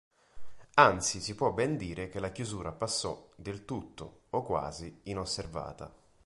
Anzi, si può ben dire che la chiusura passò del tutto o quasi inosservata.